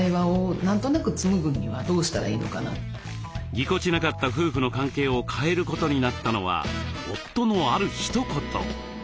ぎこちなかった夫婦の関係を変えることになったのは夫のあるひと言。